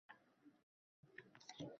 yo‘lingda davom etishing uchun